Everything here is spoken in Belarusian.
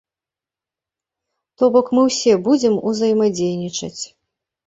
То бок мы ўсе будзем узаемадзейнічаць.